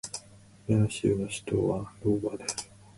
デラウェア州の州都はドーバーである